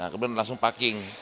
kemudian langsung packing